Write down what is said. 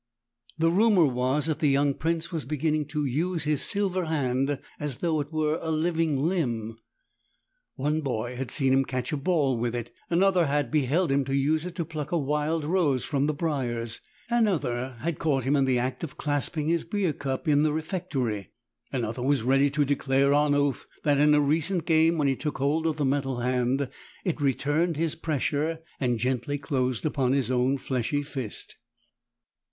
The rumour was that the young prince was beginning to use his silver hand as though it were a living limb! One boy had seen him catch a ball with it: another had* beheld him use it to pluck the wild roses from the briars; another had caught him in the act of clasping his beer cup in the refectory; another was ready to declare on oath that in a recent game when he took hold of the metal hand it returned his pressure and gently closed upon his own fleshy fist.